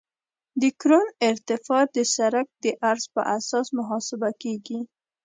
د کرون ارتفاع د سرک د عرض په اساس محاسبه کیږي